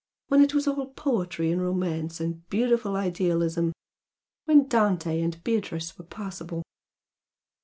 When it was all poetry and romance and beautiful idealism! When Dante and Beatrice were possible!"